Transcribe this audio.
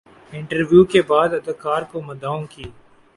interview کے بعد اداکار کو مداحوں کی